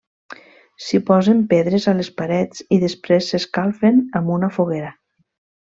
S’hi posen pedres a les parets i després s’escalfen amb una foguera.